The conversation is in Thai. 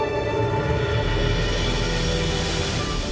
พาคุณผู้ชมไปติดตามบรรยากาศกันที่วัดอรุณราชวรรมมหาวิหารค่ะ